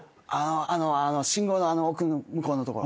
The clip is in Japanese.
あの信号のあの奥の向こうのところ。